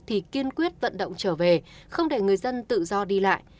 thì kiên quyết vận động trở về không để người dân tự do đi lại